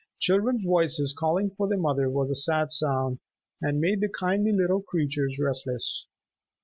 Children's voices calling for their mother was a sad sound, and made the kindly little creatures restless.